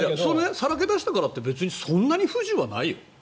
さらけ出したからってそんなに不自由はないよ。